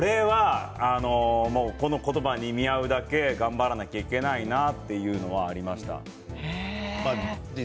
その言葉に見合うだけ頑張らないといけないなというのはありました。